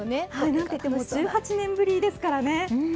何と言っても１８年ぶりですからね。